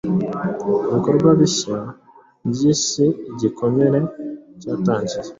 Ibikorwa bishya byisi Igikomere cyatangiye